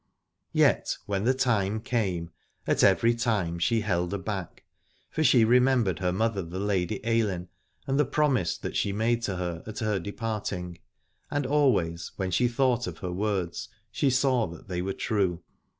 Yet when the time came, at every time she held aback: for she remembered her mother the Lady Ailinn and the promise that she made to her at her departing, and always when she thought of her words she saw that they were true.